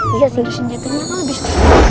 dia silih senjatanya gak lebih